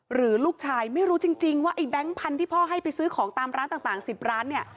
หรือลูกชายไม่รู้จริงว่าไอ้แก๊งพันธุ์ที่พ่อให้ไปซื้อของตามร้านต่าง๑๐ร้านเนี่ย